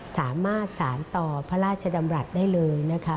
สามารถสารต่อพระราชดำรัฐได้เลยนะคะ